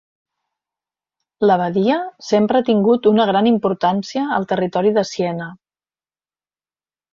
L'abadia sempre ha tingut una gran importància al territori de Siena.